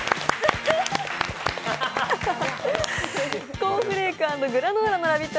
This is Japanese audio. コーンフレーク＆グラノーラのラヴィット！